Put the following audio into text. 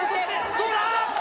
どうだ！